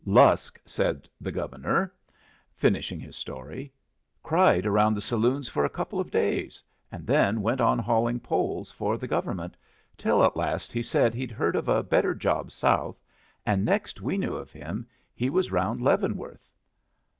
"Lusk," said the Governor, finishing his story, "cried around the saloons for a couple of days, and then went on hauling poles for the government, till at last he said he'd heard of a better job south, and next we knew of him he was round Leavenworth.